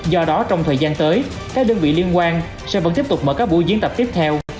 do đó trong thời gian tới các đơn vị liên quan sẽ vẫn tiếp tục mở các buổi diễn tập tiếp theo